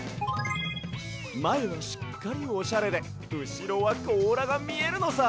まえはしっかりオシャレでうしろはこうらがみえるのさ！